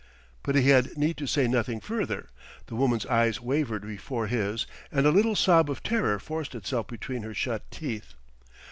But he had need to say nothing further; the woman's eyes wavered before his and a little sob of terror forced itself between her shut teeth.